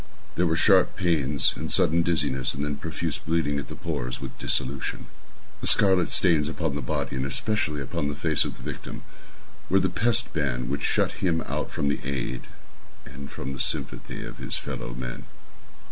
There were sharp pains, and sudden dizziness, and then profuse bleeding at the pores, with dissolution. The scarlet stains upon the body and especially upon the face of the victim, were the pest ban which shut him out from the aid and from the sympathy of his fellow men.